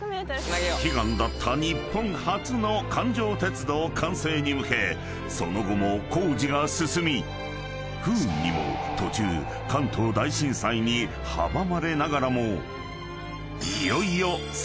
［悲願だった日本初の環状鉄道完成に向けその後も工事が進み不運にも途中関東大震災に阻まれながらも］